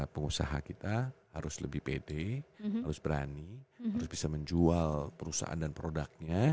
pengusaha kita harus lebih pede harus berani harus bisa menjual perusahaan dan produknya